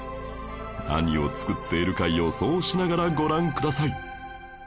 何を作っているか予想しながらご覧ください